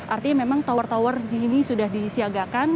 artinya memang tower tower di sini sudah disiagakan